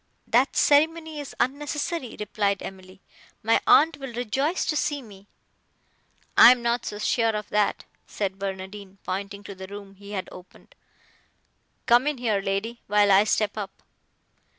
"That ceremony is unnecessary," replied Emily, "my aunt will rejoice to see me." "I am not so sure of that," said Barnardine, pointing to the room he had opened: "Come in here, lady, while I step up."